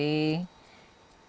kalau tidak kemudian